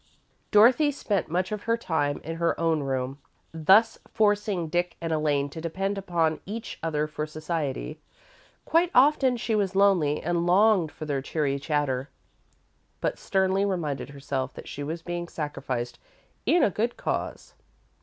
Dorothy spent much of her time in her own room, thus forcing Dick and Elaine to depend upon each other for society. Quite often she was lonely, and longed for their cheery chatter, but sternly reminded herself that she was being sacrificed in a good cause.